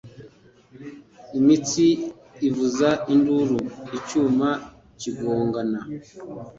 imitsi ivuza induru, icyuma kigongana;